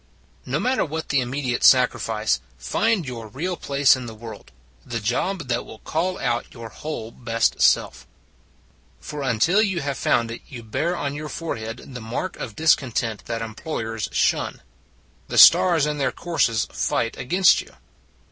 No matter what the immediate sacri fice, find your real place in the world the job that will call out your whole best self. For until you have found it you bear on your forehead the mark of discontent that employers shun. The stars in their courses fight against you.